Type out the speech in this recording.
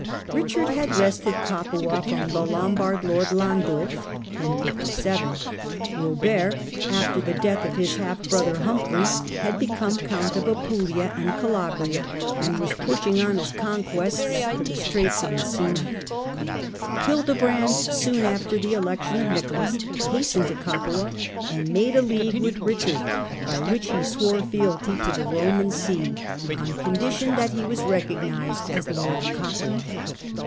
Richard had wrested Capua from the Lombard lord, Landulf (1057). Robert, after the death of his half brother, Humphrey, had become count of Apulia and Calabria, and was pushing on his conquests to the Straits of Messina. Hildebrand, soon after the election of Nicolas, hastened to Capua, and made a league with Richard, by which he swore fidelity to the Roman see. Digitized by VjOOQIC Nicolas 11. and Alexander IT. 49 on condition that he was recognised as Lord of Capua.